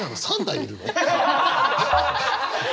３台いるの？